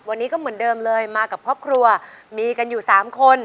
วันนี้ก็เหมือนเดิมเลยมากับครอบครัวมีกันอยู่สามคน